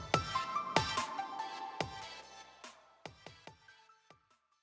ส่งทั่วไทยไปถึงเธอครับก็อยู่คู่กับเรา